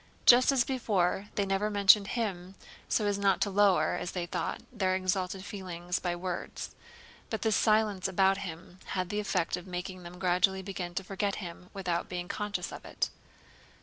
Just as before, they never mentioned him so as not to lower (as they thought) their exalted feelings by words; but this silence about him had the effect of making them gradually begin to forget him without being conscious of it.